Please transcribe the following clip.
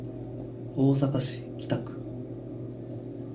大阪市北区